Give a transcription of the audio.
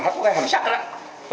cái hầm sắt đó